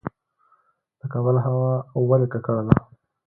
د کابل هوا ولې ککړه ده؟